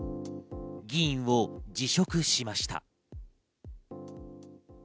議員を辞職しました。